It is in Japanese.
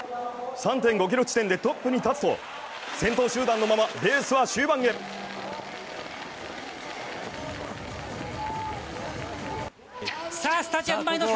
３．５ｋｍ地点でトップに立つと先頭集団のまま、終盤へ。